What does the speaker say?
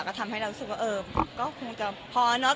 ก็ทำให้เรารู้สึกว่าเออก็คงจะพอเนอะ